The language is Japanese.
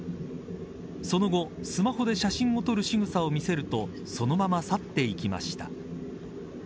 その後、スマホで写真を撮るしぐさを見せるとそのまま去っていきました。